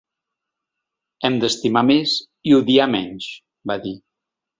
Hem d’estimar més i odiar menys, va dir.